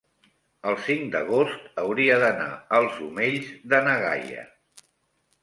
el cinc d'agost hauria d'anar als Omells de na Gaia.